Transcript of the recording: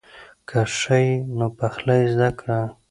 که ښه یې نو پخلی زده کړه.